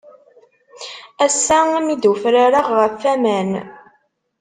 Ass-a mi d-ufrareɣ ɣef waman.